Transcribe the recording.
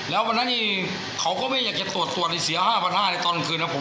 แล้ววันนั้นนี่เขาก็ไม่อยากจะตรวจตรวจอีกเสียห้าพันห้าในตอนคืนนะครับ